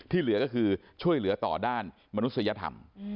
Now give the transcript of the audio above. เหลือก็คือช่วยเหลือต่อด้านมนุษยธรรม